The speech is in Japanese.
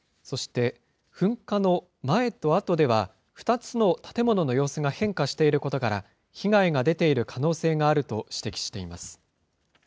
そして噴火の前と後では、２つの建物の様子が変化していることから、被害が出ている可能性があると指摘しています。